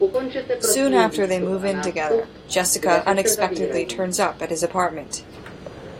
Soon after they move in together, Jessica unexpectedly turns up at his apartment.